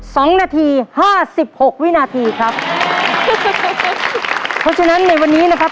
สองนาทีห้าสิบหกวินาทีครับเพราะฉะนั้นในวันนี้นะครับ